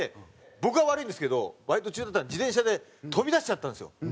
僕が悪いんですけどバイト中自転車で飛び出しちゃったんですよ。